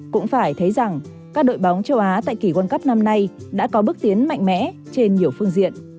cũng phải thấy rằng các đội bóng châu á tại kỳ world cup năm nay đã có bước tiến mạnh mẽ trên nhiều phương diện